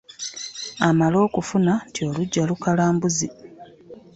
Amala okufuna nti , oluggya lukala mbuzi .